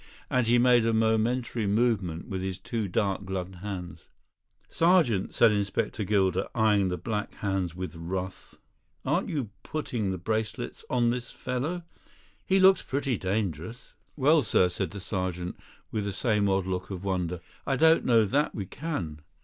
And he made a momentary movement with his two dark gloved hands. "Sergeant," said Inspector Gilder, eyeing the black hands with wrath, "aren't you putting the bracelets on this fellow; he looks pretty dangerous." "Well, sir," said the sergeant, with the same odd look of wonder, "I don't know that we can."